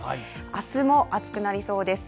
明日も暑くなりそうです。